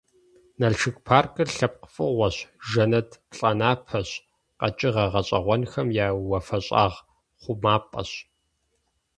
Налшык паркыр лъэпкъ фӀыгъуэщ, жэнэт плӀанэпэщ, къэкӀыгъэ гъэщӀэгъуэнхэм я «уафэщӀагъ хъумапӀэщ».